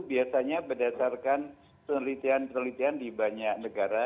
biasanya berdasarkan penelitian penelitian di banyak negara